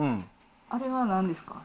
あれはなんですか？